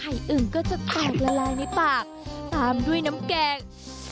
ไออึ่งก็จะตอบละเลยในปากตามด้วยน้ำแกง